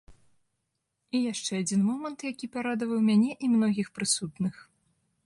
І яшчэ адзін момант, які парадаваў мяне і многіх прысутных.